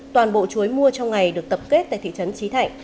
toàn bộ chuối mua trong ngày được tập kết tại thị trấn trí thạnh